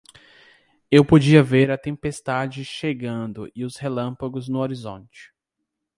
Eu podia ver a tempestade chegando e os relâmpagos no horizonte.